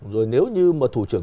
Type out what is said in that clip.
rồi nếu như mà thủ trưởng